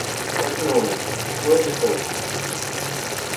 Как на улице тепло или холодно?